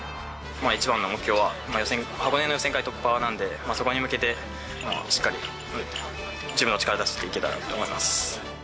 一番の目標は箱根の予選会突破なので、そこに向けてしっかり自分の力出していけたらと思います。